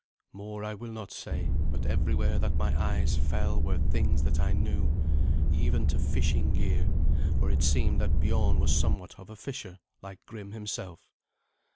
More I will not say, but everywhere that my eyes fell were things that I knew, even to fishing gear, for it seemed that Biorn was somewhat of a fisher, like Grim himself.